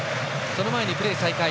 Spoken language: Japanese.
その前にプレー再開。